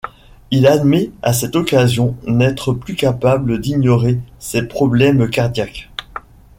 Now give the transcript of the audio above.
Il admet à cette occasion n'être plus capable d’ignorer ses problèmes cardiaques.